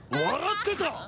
笑ってた！？